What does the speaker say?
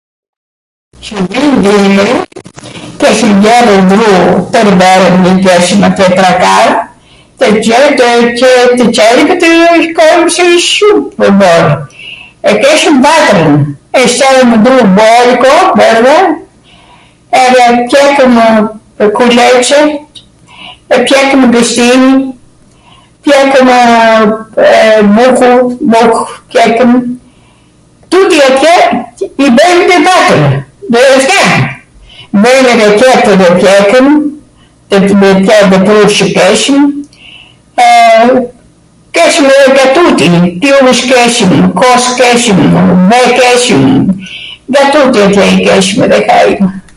[???].... keshwm mbledhur dru, atje trakadh, shtojmw dru boliko, edhe pjekwmw kuleCw, pjekwm gwshtwnj, ...... keshwm nga tuti, qumwsht keshwm, kos keshwm, ve keshwm, nga tuti keshwm, edhe hajm.